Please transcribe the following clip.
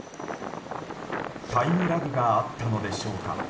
タイムラグがあったのでしょうか。